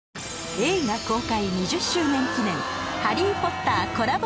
映画公開２０周年記念『ハリー・ポッター』コラボ